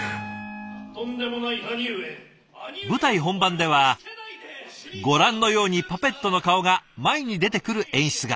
舞台本番ではご覧のようにパペットの顔が前に出てくる演出が。